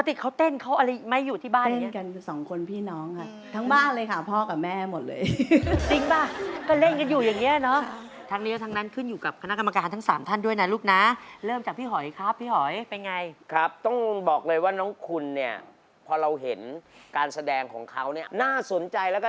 เสียงของเขาเนี่ยเขากรอกคำนองกรอกคีย์ได้แบบค่อนข้างแม่นยำเลย